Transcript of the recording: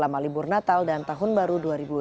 halibur natal dan tahun baru dua ribu sembilan belas